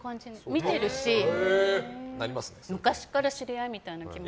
見てるし、昔から知り合いみたいな気持ち。